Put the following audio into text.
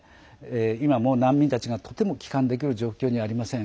今も難民たちがとても帰還できる状況にありません。